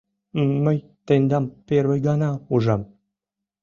— М-мый тендам первый гана ужам...